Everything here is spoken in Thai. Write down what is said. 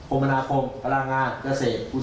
รึงกับประธานสภาไปที่สุด